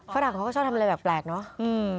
ฝรั่งเขาก็ชอบทำอะไรแบบแปลกเนอะ